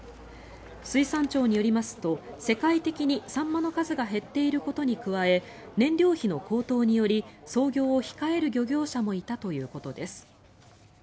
水産庁によりますと世界的にサンマの数が減っていることに加え燃料費の高騰により操業を控える漁業者もいたということです。